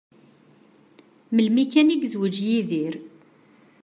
Melmi kan i yezweǧ Yidir.